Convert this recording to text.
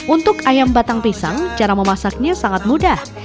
untuk ayam batang pisang cara memasaknya sangat mudah